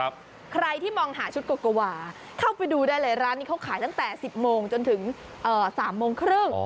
ใครที่มองหาชุดโกโกวาเข้าไปดูได้เลยร้านนี้เขาขายตั้งแต่๑๐โมงจนถึง๓โมงครึ่ง